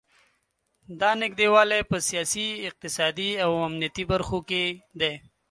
دا نږدې والی په سیاسي، اقتصادي او امنیتي برخو کې دی.